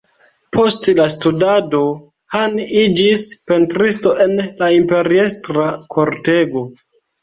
Post la studado, Han iĝis pentristo en la imperiestra kortego.